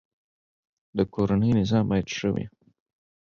د کورنی نظم باید ښه وی